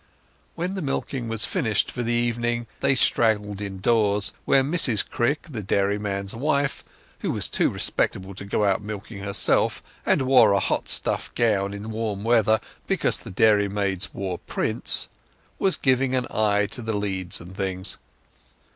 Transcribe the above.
When the milking was finished for the evening they straggled indoors, where Mrs Crick, the dairyman's wife—who was too respectable to go out milking herself, and wore a hot stuff gown in warm weather because the dairymaids wore prints—was giving an eye to the leads and things.